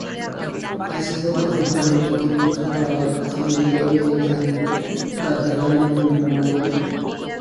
Así fue como ganó el concurso para el cementerio de San Cataldo en Módena.